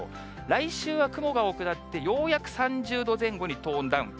来週は雲が多くなって、ようやく３０度前後にトーンダウン。